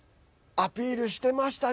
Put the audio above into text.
アピールしてましたね。